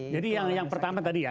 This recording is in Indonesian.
jadi yang pertama tadi ya